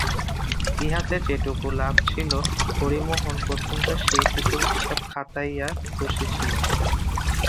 ইহাতে যেটুকু লাভ ছিল হরিমোহন প্রথমটা সেইটুকুর হিসাব খতাইয়া খুশি ছিলেন।